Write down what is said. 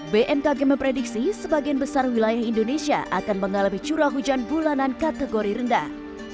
bmkg memprediksi sebagian besar wilayah indonesia akan mengalami curah hujan bulanan kategori rendah